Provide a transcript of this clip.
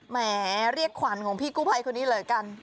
แหมเรียกขวัญของพี่กู้ภัยคนนี้เลยกัน